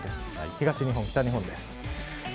東日本、北日本です。